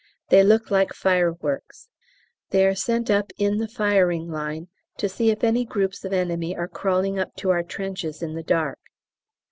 They look like fireworks. They are sent up in the firing line to see if any groups of enemy are crawling up to our trenches in the dark.